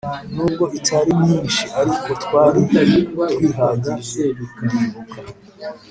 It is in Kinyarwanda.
nubwo itari myinshi ariko twari twihagije ndibuka